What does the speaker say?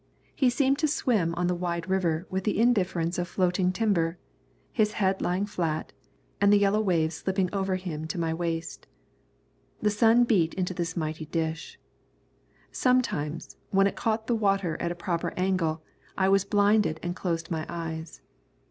He seemed to swim on the wide river with the indifference of floating timber, his head lying flat, and the yellow waves slipping over him to my waist. The sun beat into this mighty dish. Sometimes, when it caught the water at a proper angle, I was blinded and closed my eyes.